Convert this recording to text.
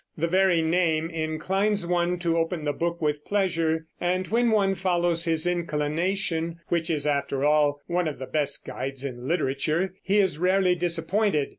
The very name inclines one to open the book with pleasure, and when one follows his inclination which is, after all, one of the best guides in literature he is rarely disappointed.